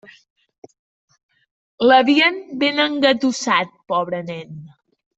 L'havien ben engatussat, pobre nen.